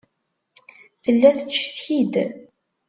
Tella tettcetki-d.